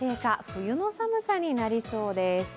冬の寒さになりそうです。